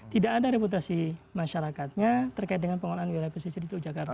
tidak ada reputasi masyarakatnya terkait dengan pengelolaan wilayah pesisir di teluk jakarta